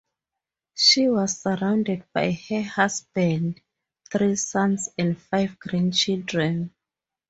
She was surrounded by her husband, three sons, and five grandchildren.